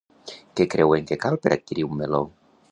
Què creuen que cal per adquirir un meló?